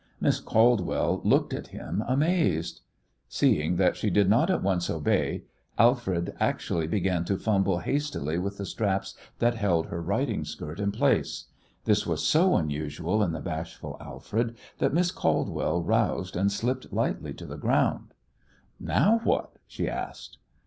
Miss Caldwell looked at him amazed. Seeing that she did not at once obey, Alfred actually began to fumble hastily with the straps that held her riding skirt in place. This was so unusual in the bashful Alfred that Miss Caldwell roused and slipped lightly to the ground. "Now what?" she asked.